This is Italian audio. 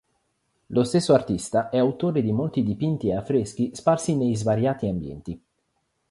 Lo stesso artista è autore di molti dipinti e affreschi sparsi nei svariati ambienti.